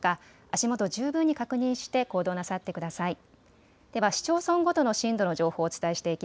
足元、十分に確認して行動なさってください。